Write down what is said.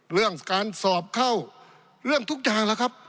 เรื่องการสอบเข้าเรื่องทุกอย่างแล้วครับ